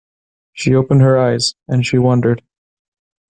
She opened her eyes, and she wondered.